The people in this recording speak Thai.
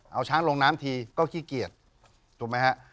เอาช้างลงน้ำทีก็ขี้เกียจถูกไหมฮะ